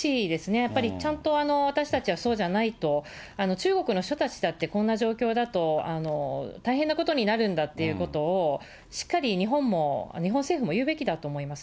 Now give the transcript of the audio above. やっぱりちゃんと私たちはそうじゃないと、中国の人たちだってこんな状況だと大変なことになるんだっていうことを、しっかり日本も、日本政府もいうべきだと思いますね。